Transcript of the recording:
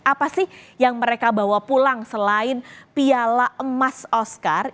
apa sih yang mereka bawa pulang selain piala emas oscar